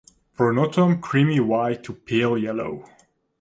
Pronotum creamy white to pale yellow.